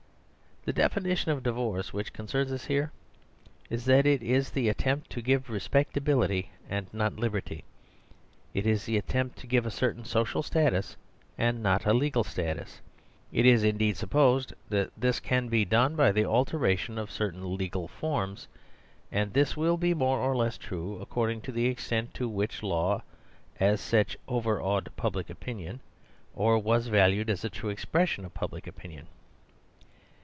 The definition of divorce, which concerns us here, is that it is the attempt to give respectability, and not liberty. It is the attempt to give a certain social status, and not a legal status. It is indeed supposed that this can be done by the alteration of certain legal forms ; and this will be more or less true ac cording to the extent to which law as such overawed public opinion, or was valued as a true expression of public opinion.